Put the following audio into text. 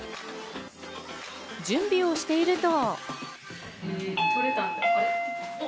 準備をしていると。